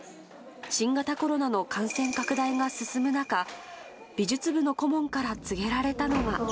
新型コロナの感染拡大が進む中、美術部の顧問から告げられたのは。